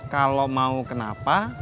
kalo mau kenapa